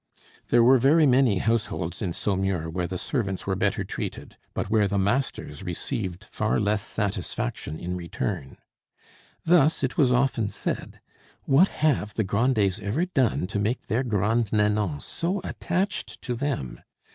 There were very many households in Saumur where the servants were better treated, but where the masters received far less satisfaction in return. Thus it was often said: "What have the Grandets ever done to make their Grande Nanon so attached to them?